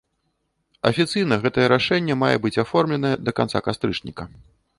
Афіцыйна гэтае рашэнне мае быць аформленае да канца кастрычніка.